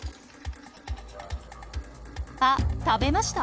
あっ食べました！